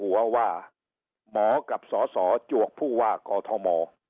หัวว่าหมอกับสสจวกผู้ว่ากอทม